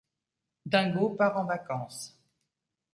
Dingo part en vacances.